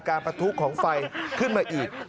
ประทุของไฟขึ้นมาอีก